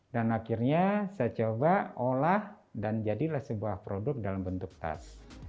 dan akhirnya saya coba olah dan jadilah sebuah produk dalam bentuk tas